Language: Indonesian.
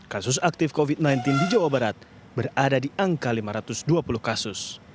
kasus aktif covid sembilan belas di jawa barat berada di angka lima ratus dua puluh kasus